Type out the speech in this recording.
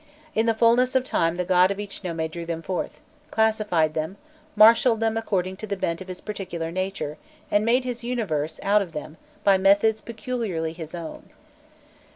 In fulness of time the god of each nome drew them forth, classified them, marshalled them according to the bent of his particular nature, and made his universe out of them by methods peculiarly his own.